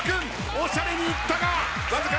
おしゃれにいったがわずかに左。